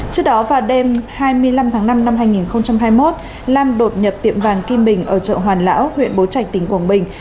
trước đó vào đêm hai mươi năm tháng năm năm hai nghìn hai mươi một lam đột nhập tiệm vàng kim bình ở chợ hoàn lão huyện bố trạch tỉnh quảng bình